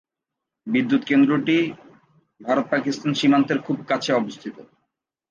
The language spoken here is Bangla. বিদ্যুৎ কেন্দ্রটি ভভারত-পাকিস্তান সীমান্তের খুব কাছে অবস্থিত।